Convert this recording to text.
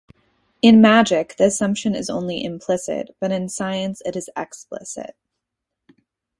In magic, the assumption is only implicit, but in science it is explicit.